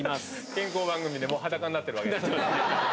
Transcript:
健康番組で、もう裸になってるわけですか。